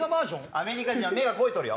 アメリカ人は目が肥えとるよ